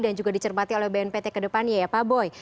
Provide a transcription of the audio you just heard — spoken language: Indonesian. dan juga dicerpati oleh bnpt kedepannya ya pak boy